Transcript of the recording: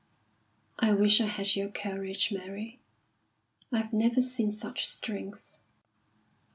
"I wish I had your courage, Mary. I've never seen such strength."